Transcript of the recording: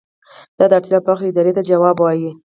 دا د اړتیا په وخت ادارې ته ځواب وايي.